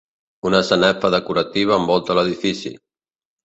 Una sanefa decorativa envolta l'edifici.